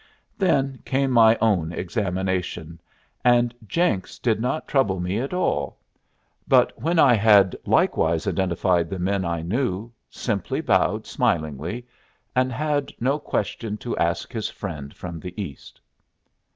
Then came my own examination, and Jenks did not trouble me at all, but, when I had likewise identified the men I knew, simply bowed smilingly, and had no questions to ask his friend from the East.